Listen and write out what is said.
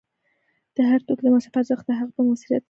د هر توکي د مصرف ارزښت د هغه په موثریت کې دی